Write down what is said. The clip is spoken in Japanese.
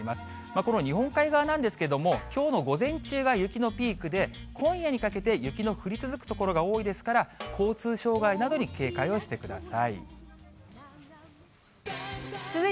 この日本海側なんですけれども、きょうの午前中が雪のピークで、今夜にかけて雪の降り続く所が多いですから、交通障害などに警戒をしてください。